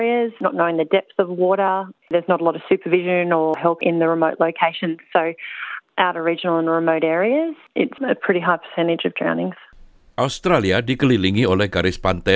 australia dikelilingi oleh garis pantai